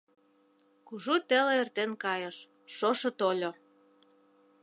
Кужу теле эртен кайыш, шошо тольо.